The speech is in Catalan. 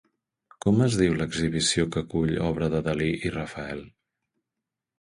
Com es diu l'exhibició que acull obra de Dalí i Rafael?